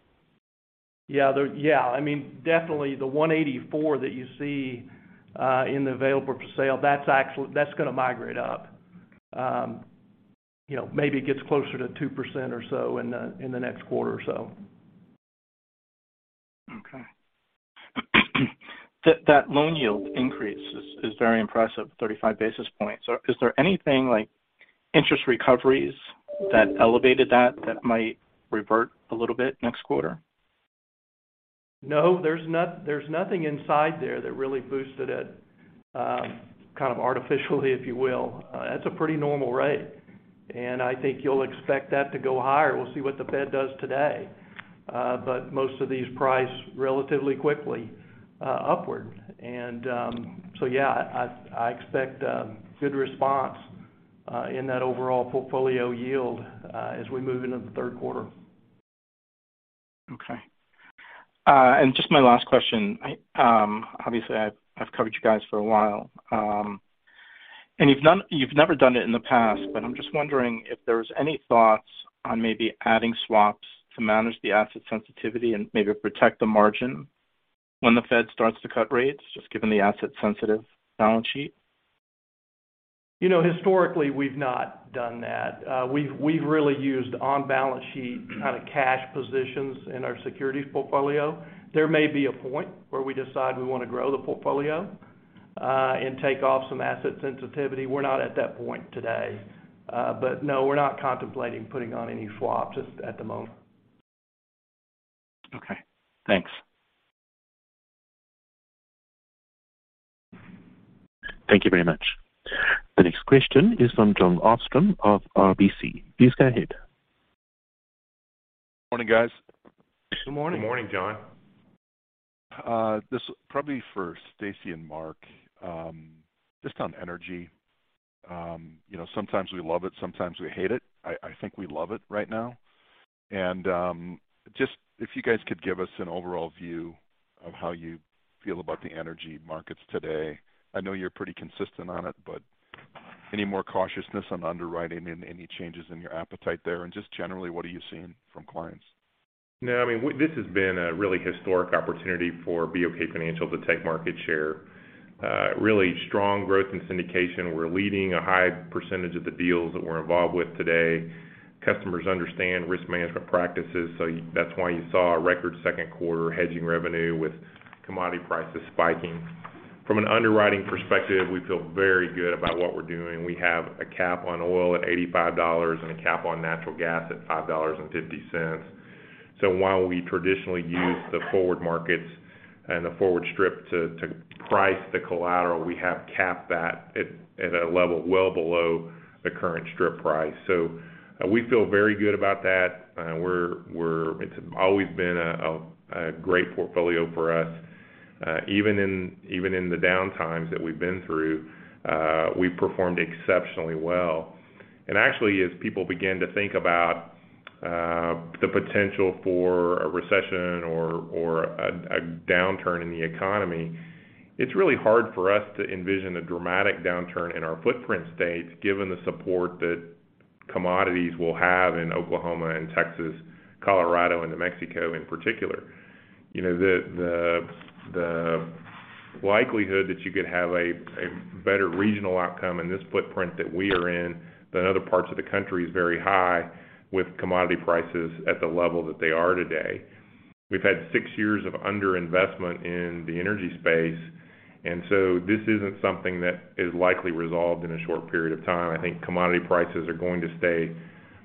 I mean, definitely the 1.84% that you see in the available-for-sale, that's gonna migrate up. You know, maybe it gets closer to 2% or so in the next quarter or so. That loan yield increase is very impressive, 35 basis points. Is there anything like interest recoveries that elevated that might revert a little bit next quarter? No, there's nothing inside there that really boosted it, kind of artificially, if you will. That's a pretty normal rate, and I think you'll expect that to go higher. We'll see what the Fed does today. Most of these reprice relatively quickly upward. Yeah, I expect a good response in that overall portfolio yield as we move into the third quarter. Just my last question. Obviously I've covered you guys for a while. You've never done it in the past, but I'm just wondering if there's any thoughts on maybe adding swaps to manage the asset sensitivity and maybe protect the margin when the Fed starts to cut rates, just given the asset-sensitive balance sheet. You know, historically, we've not done that. We've really used on balance sheet kind of cash positions in our securities portfolio. There may be a point where we decide we want to grow the portfolio, and take off some asset sensitivity. We're not at that point today. No, we're not contemplating putting on any swaps at the moment. Okay. Thanks. Thank you very much. The next question is from Jon Arfstrom of RBC. Please go ahead. Morning, guys. Good morning. Good morning, Jon Arfstrom. This probably for Stacy Kymes and Marc Maun, just on energy. You know, sometimes we love it, sometimes we hate it. I think we love it right now. Just if you guys could give us an overall view of how you feel about the energy markets today. I know you're pretty consistent on it, but any more cautiousness on underwriting and any changes in your appetite there? Just generally, what are you seeing from clients? No, I mean, this has been a really historic opportunity for BOK Financial to take market share. Really strong growth in syndication. We're leading a high percentage of the deals that we're involved with today. Customers understand risk management practices, so that's why you saw a record second quarter hedging revenue with commodity prices spiking. From an underwriting perspective, we feel very good about what we're doing. We have a cap on oil at $85 and a cap on natural gas at $5.50. While we traditionally use the forward markets and the forward strip to price the collateral, we have capped that at a level well below the current strip price. We feel very good about that. We're, it's always been a great portfolio for us. Even in the down times that we've been through, we've performed exceptionally well. Actually, as people begin to think about the potential for a recession or a downturn in the economy, it's really hard for us to envision a dramatic downturn in our footprint states, given the support that commodities will have in Oklahoma and Texas, Colorado, and New Mexico in particular. You know, the likelihood that you could have a better regional outcome in this footprint that we are in than other parts of the country is very high with commodity prices at the level that they are today. We've had six years of under-investment in the energy space, and so this isn't something that is likely resolved in a short period of time. I think commodity prices are going to stay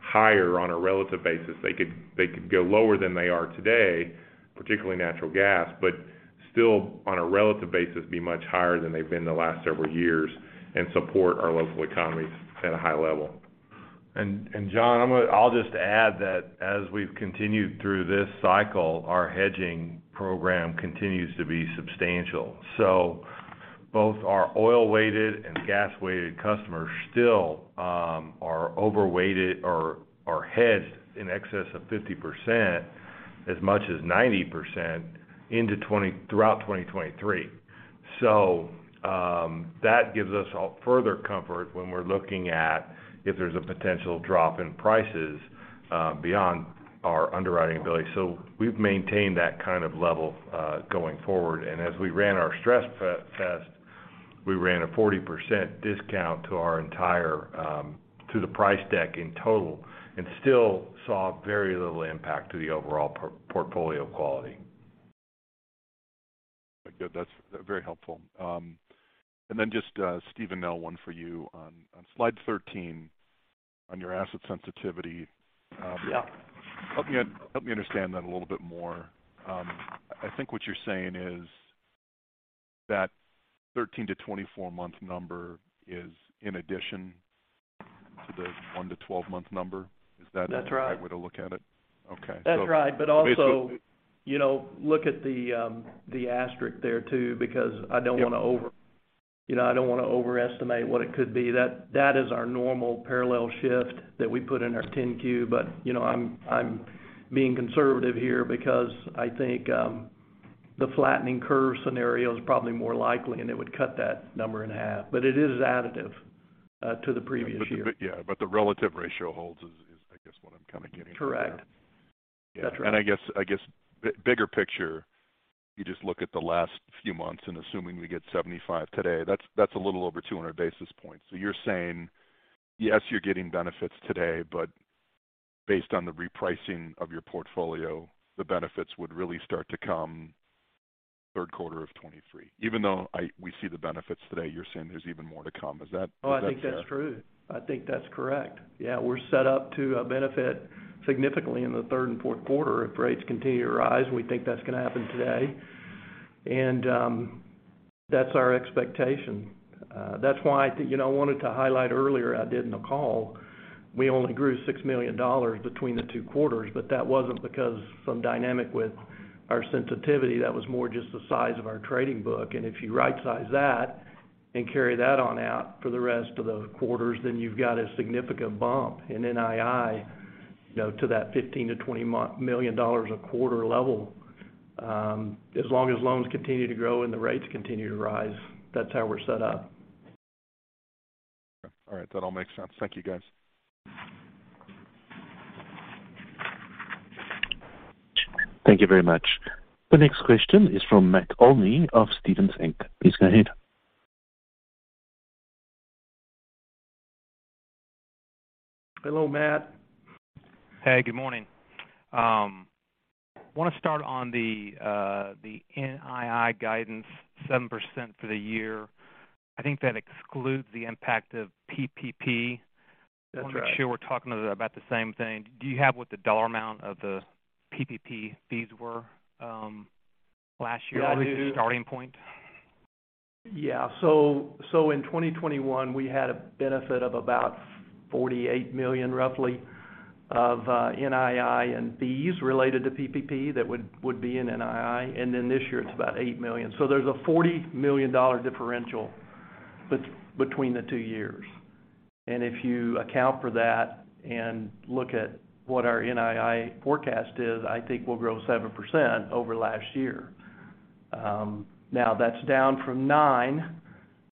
higher on a relative basis. They could go lower than they are today, particularly natural gas, but still on a relative basis, be much higher than they've been the last several years and support our local economies at a high level. Jon, I'll just add that as we've continued through this cycle, our hedging program continues to be substantial. Both our oil-weighted and gas-weighted customers still are overweighted or are hedged in excess of 50% as much as 90% throughout 2023. That gives us further comfort when we're looking at if there's a potential drop in prices beyond our underwriting ability. We've maintained that kind of level going forward. As we ran our stress test, we ran a 40% discount to our entire to the price deck in total and still saw very little impact to the overall portfolio quality. Good. That's very helpful. Just Steven Nell, one for you on slide 13 on your asset sensitivity. Yeah. Help me understand that a little bit more. I think what you're saying is that 13-24 month number is in addition to the one to 12 month number. Is that- That's right. the right way to look at it? Okay. That's right. Basically- You know, look at the asterisk there too, because I don't want to over- Yeah. You know, I don't want to overestimate what it could be. That is our normal parallel shift that we put in our 10-Q. You know, I'm being conservative here because I think the flattening curve scenario is probably more likely, and it would cut that number in half. It is additive to the previous year. The relative ratio holds is, I guess what I'm kind of getting at there. Correct. That's right. Yeah. I guess bigger picture, you just look at the last few months, and assuming we get 75 today, that's a little over 200 basis points. So you're saying, yes, you're getting benefits today, but based on the repricing of your portfolio, the benefits would really start to come third quarter of 2023. Even though we see the benefits today, you're saying there's even more to come. Is that fair? I think that's true. I think that's correct. Yeah, we're set up to benefit significantly in the third and fourth quarter if rates continue to rise. We think that's going to happen today. That's our expectation. That's why, you know, I wanted to highlight earlier, I did in the call, we only grew $6 million between the two quarters, but that wasn't because some dynamic with our sensitivity, that was more just the size of our trading book. If you right-size that and carry that on out for the rest of the quarters, then you've got a significant bump in NII. You know, to that $15 million-$20 million a quarter level, as long as loans continue to grow and the rates continue to rise, that's how we're set up. All right, that all makes sense. Thank you, guys. Thank you very much. The next question is from Matt Olney of Stephens Inc. Please go ahead. Hello, Matt. Hey, good morning. Want to start on the NII guidance, 7% for the year. I think that excludes the impact of PPP. That's right. Wanted to make sure we're talking about the same thing. Do you have what the dollar amount of the PPP fees were last year? Yeah, I do. as a starting point? Yeah. So in 2021, we had a benefit of about $48 million roughly of NII and fees related to PPP that would be in NII. Then this year it's about $8 million. There's a $40 million differential between the two years. If you account for that and look at what our NII forecast is, I think we'll grow 7% over last year. Now that's down from 9%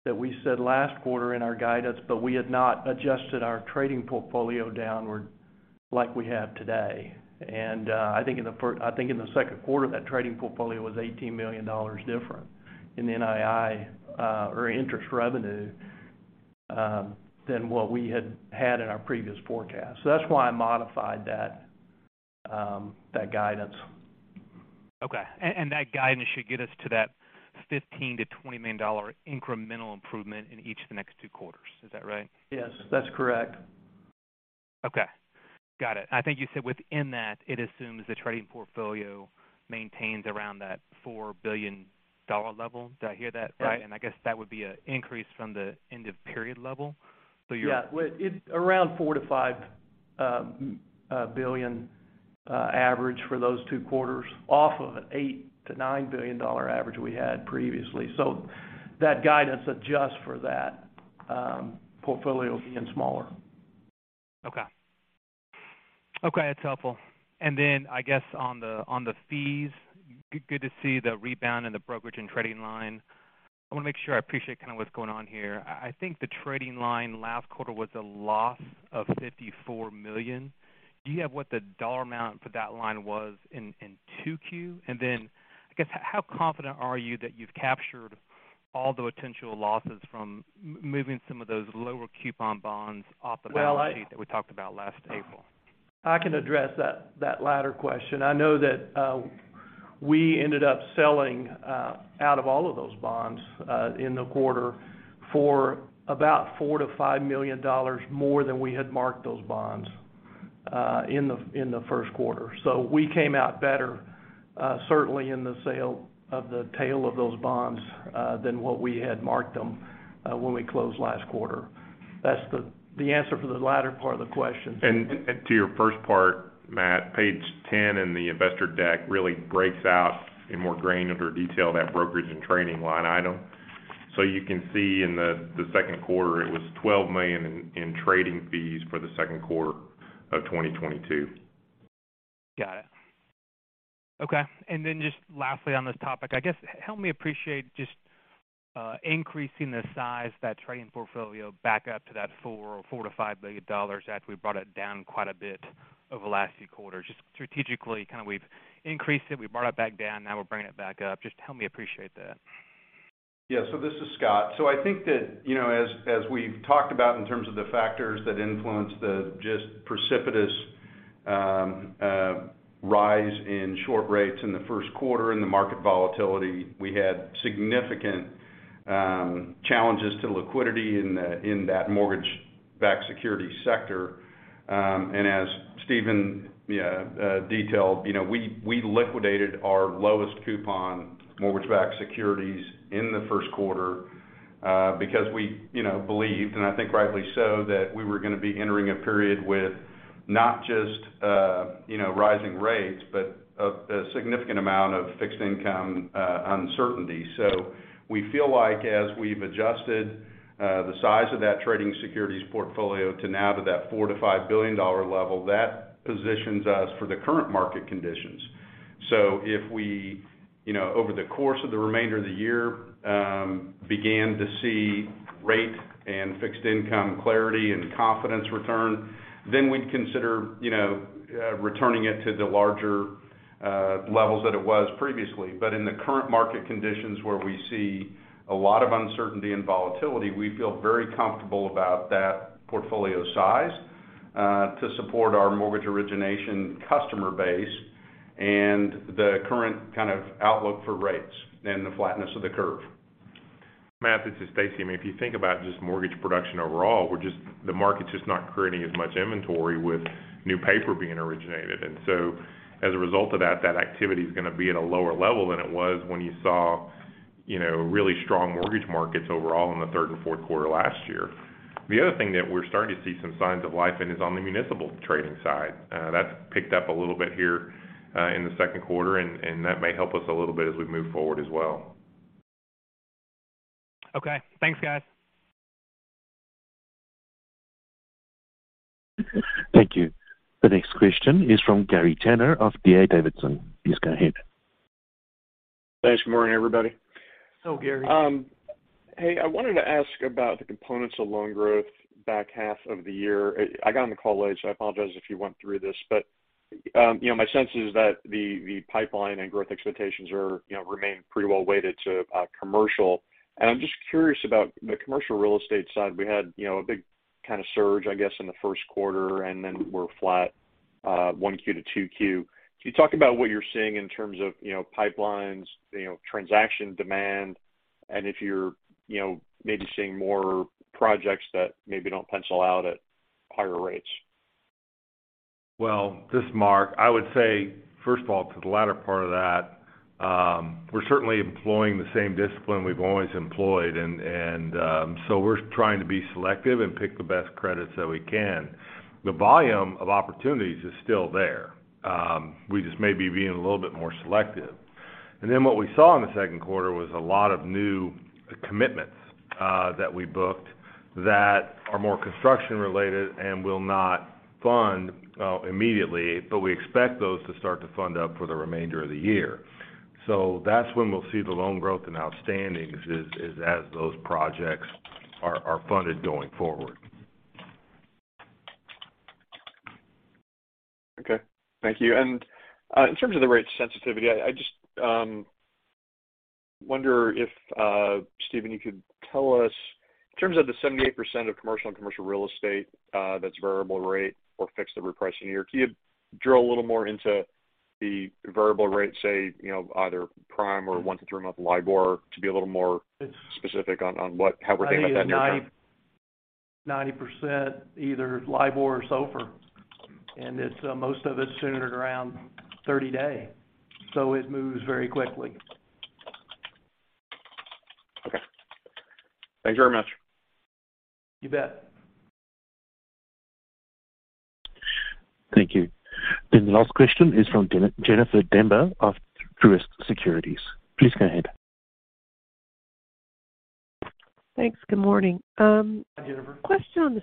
that we said last quarter in our guidance, but we had not adjusted our trading portfolio downward like we have today. I think in the second quarter, that trading portfolio was $18 million different in NII or interest revenue than what we had had in our previous forecast. That's why I modified that guidance. Okay. That guidance should get us to that $15 million-$20 million incremental improvement in each of the next two quarters. Is that right? Yes, that's correct. Okay. Got it. I think you said within that, it assumes the trading portfolio maintains around that $4 billion level. Did I hear that right? Yeah. I guess that would be an increase from the end of period level. You're- Yeah. Well, around $4 billion-$5 billion average for those two quarters off of an $8 billion-$9 billion average we had previously. That guidance adjusts for that portfolio being smaller. Okay. Okay, that's helpful. I guess on the fees, good to see the rebound in the brokerage and trading line. I wanna make sure I appreciate kind of what's going on here. I think the trading line last quarter was a loss of $54 million. Do you have what the dollar amount for that line was in 2Q? I guess, how confident are you that you've captured all the potential losses from moving some of those lower coupon bonds off the balance sheet? Well. that we talked about last April? I can address that latter question. I know that we ended up selling out of all of those bonds in the quarter for about $4 million-$5 million more than we had marked those bonds in the first quarter. We came out better, certainly in the sale of the tail of those bonds, than what we had marked them when we closed last quarter. That's the answer for the latter part of the question. To your first part, Matt, page 10 in the investor deck really breaks out in more granular detail on the brokerage and trading line item. You can see in the second quarter, it was $12 million in trading fees for the second quarter of 2022. Got it. Okay. Just lastly on this topic, I guess help me appreciate just increasing the size of that trading portfolio back up to that $4 billion-$5 billion after we brought it down quite a bit over the last few quarters. Just strategically, kind of we've increased it, we brought it back down, now we're bringing it back up. Just help me appreciate that. Yeah. This is Scott. I think that, you know, as we've talked about in terms of the factors that influence the just precipitous rise in short rates in the first quarter and the market volatility, we had significant challenges to liquidity in the in that mortgage-backed securities sector. And as Steven, you know, detailed, you know, we liquidated our lowest-coupon mortgage-backed securities in the first quarter, because we, you know, believed, and I think rightly so, that we were gonna be entering a period with not just, you know, rising rates, but a significant amount of fixed income uncertainty. We feel like as we've adjusted the size of that trading securities portfolio to that $4 billion-$5 billion level, that positions us for the current market conditions. If we, you know, over the course of the remainder of the year, began to see rate and fixed income clarity and confidence return, then we'd consider, you know, returning it to the larger levels that it was previously. In the current market conditions where we see a lot of uncertainty and volatility, we feel very comfortable about that portfolio size to support our mortgage origination customer base and the current kind of outlook for rates and the flatness of the curve. Matt, this is Stacy. I mean, if you think about just mortgage production overall, the market's just not creating as much inventory with new paper being originated. As a result of that activity is gonna be at a lower level than it was when you saw, you know, really strong mortgage markets overall in the third and fourth quarter last year. The other thing that we're starting to see some signs of life in is on the municipal trading side. That's picked up a little bit here in the second quarter, and that may help us a little bit as we move forward as well. Okay. Thanks, guys. Thank you. The next question is from Gary Tenner of D.A. Davidson & Co. Please go ahead. Thanks. Good morning, everybody. Hello, Gary. Hey, I wanted to ask about the components of loan growth back half of the year. I got on the call late, so I apologize if you went through this, but you know, my sense is that the pipeline and growth expectations are remain pretty well weighted to commercial. I'm just curious about the commercial real estate side. We had you know, a big kinda surge, I guess, in the first quarter, and then we're flat 1Q to 2Q. Can you talk about what you're seeing in terms of pipelines, transaction demand, and if you're maybe seeing more projects that maybe don't pencil out at higher rates? Well, this is Marc. I would say, first of all, to the latter part of that, we're certainly employing the same discipline we've always employed. We're trying to be selective and pick the best credits that we can. The volume of opportunities is still there. We're just maybe being a little bit more selective. Then what we saw in the second quarter was a lot of new commitments that we booked that are more construction related and will not fund immediately, but we expect those to start to fund up for the remainder of the year. That's when we'll see the loan growth in outstandings is as those projects are funded going forward. Okay. Thank you. In terms of the rate sensitivity, I just wonder if, Steven, you could tell us in terms of the 78% of C&I and commercial real estate that's variable rate or fixed every reprice a year, can you drill a little more into the variable rate, say, you know, either prime or one- to three-month LIBOR to be a little more specific on how we're thinking about that near term? 90% either LIBOR or SOFR. It's most of it centered around 30-day, so it moves very quickly. Okay. Thanks very much. You bet. Thank you. The last question is from Jennifer Demba of Truist Securities. Please go ahead. Thanks. Good morning. Hi, Jennifer. Question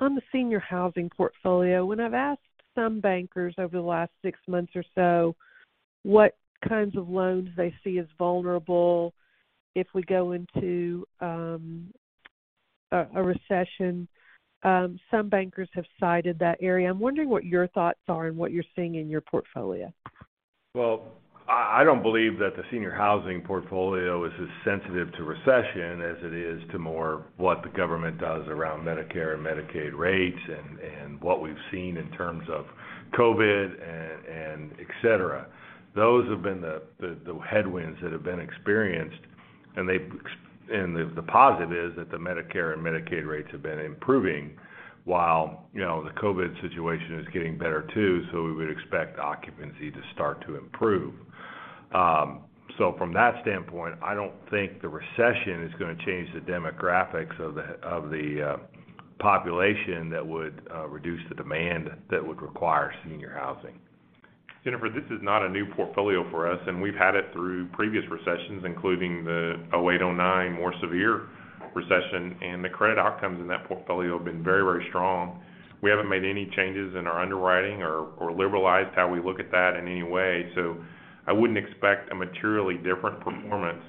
on the senior housing portfolio. When I've asked some bankers over the last six months or so, what kinds of loans they see as vulnerable if we go into a recession, some bankers have cited that area. I'm wondering what your thoughts are and what you're seeing in your portfolio. Well, I don't believe that the senior housing portfolio is as sensitive to recession as it is to more what the government does around Medicare and Medicaid rates and what we've seen in terms of COVID and et cetera. Those have been the headwinds that have been experienced, and the positive is that the Medicare and Medicaid rates have been improving while, you know, the COVID situation is getting better too, so we would expect occupancy to start to improve. From that standpoint, I don't think the recession is gonna change the demographics of the population that would reduce the demand that would require senior housing. Jennifer, this is not a new portfolio for us, and we've had it through previous recessions, including the 2008, 2009 more severe recession, and the credit outcomes in that portfolio have been very, very strong. We haven't made any changes in our underwriting or liberalized how we look at that in any way. I wouldn't expect a materially different performance,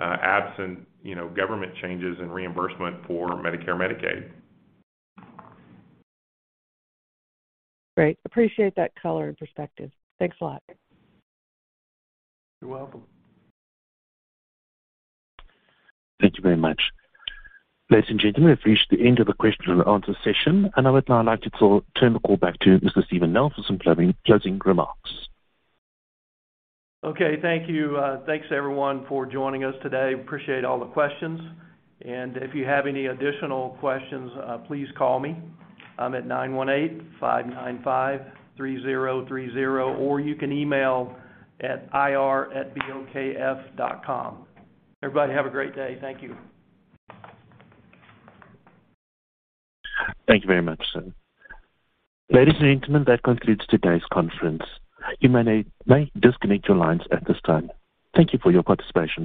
absent, you know, government changes in reimbursement for Medicare, Medicaid. Great. Appreciate that color and perspective. Thanks a lot. You're welcome. Thank you very much. Ladies and gentlemen, we've reached the end of the question-and-answer session, and I would now like to turn the call back to Mr. Steven Nell for some closing remarks. Okay. Thank you. Thanks everyone for joining us today. Appreciate all the questions. If you have any additional questions, please call me. I'm at 918-595-3030 or you can email at ir@bokf.com. Everybody have a great day. Thank you. Thank you very much, sir. Ladies and gentlemen, that concludes today's conference. You may disconnect your lines at this time. Thank you for your participation.